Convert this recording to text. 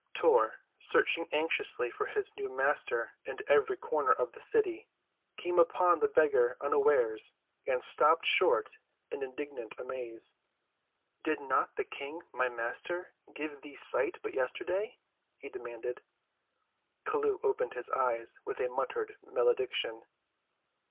Tor, searching anxiously for his new Master in every corner of the city, came upon the beggar unawares, and stopped short in indignant amaze. "Did not the King, my Master, give thee sight but yesterday?" he demanded. Chelluh opened his eyes with a muttered malediction.